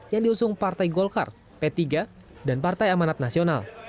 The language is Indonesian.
yang diusung partai golkar p tiga dan partai amanat nasional